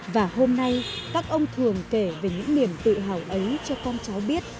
và hôm nay các ông thường kể về những niềm tự hào ấy cho con cháu biết